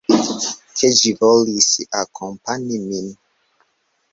Ke ĝi volis akompani min.